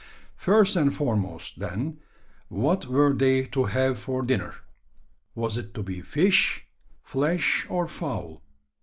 First and foremost, then, what were they to have for dinner? Was it to be fish, flesh, or fowl?